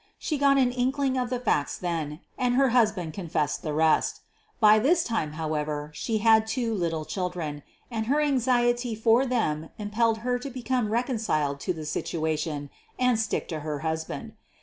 She got an inkling of the facts then and her husband confessed the rest. By this time, however, she had two little children, and her anxiety for them impelled her to become reconciled to the situ ation and stick to her husband.